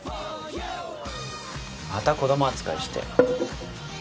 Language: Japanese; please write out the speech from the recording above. また子供扱いして。